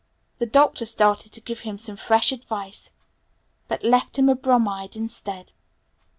The Doctor started to give him some fresh advice but left him a bromide instead.